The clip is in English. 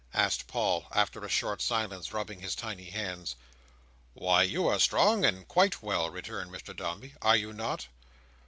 asked Paul, after a short silence; rubbing his tiny hands. "Why, you are strong and quite well," returned Mr Dombey. "Are you not?"